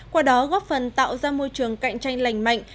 qua đó góp phần tạo ra môi trường cạnh tranh lành mạnh